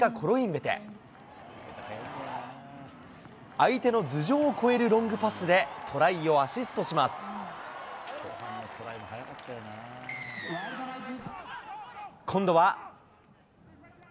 相手の頭上を越えるロングパスで、トライをアシストします。今度は。